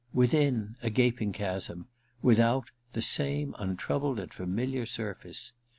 Within, a gaping chasm ; without, the same untroubled and familiar surface.